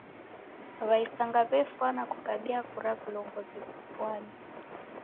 W'aisanga w'efwana kukabia kura vilongozi vifwane.